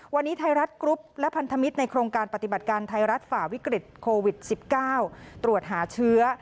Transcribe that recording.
วันนี้ไทยรัฐกรุ๊ปและพันธมิตรในโครงการปฏิบัติการไทยรัฐฝ่าวิกฤตโควิด๑๙ตรวจหาเชื้อ